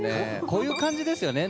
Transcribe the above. こういう感じですよね。